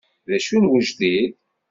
D acu n wejdid?